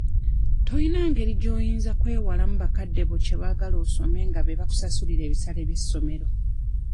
Toyina ngeri gy'oyinza kwewalamu bakadde bo kye baagala osome nga be bakusasulira ebisale ky'essomero.